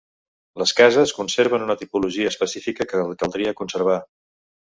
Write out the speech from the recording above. Les cases conserven una tipologia específica que caldria conservar.